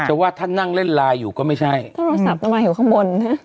แต่ว่าถ้านั่งเล่นลายอยู่ก็ไม่ใช่แต่โทรศัพท์นั่งเง่าข้างบนน่ะ